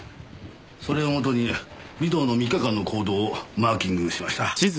それをもとに尾藤の３日間の行動をマーキングしました。